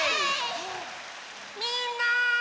みんな！